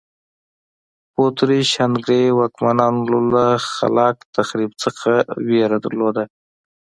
په اتریش هنګري واکمنانو له خلاق تخریب څخه وېره درلوده.